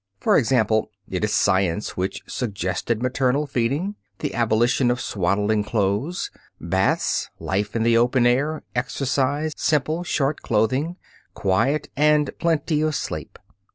For example, it is science which suggested maternal feeding, the abolition of swaddling clothes, baths, life in the open air, exercise, simple short clothing, quiet and plenty of sleep.